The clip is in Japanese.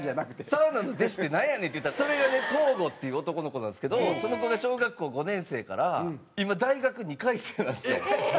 「サウナの弟子ってなんやねん」って言ったらそれがねトウゴっていう男の子なんですけどその子が小学校５年生から今大学２回生なんですよ。